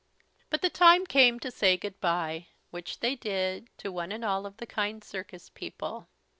But the time came to say "Good bye," which they did, to one and all of the kind circus people.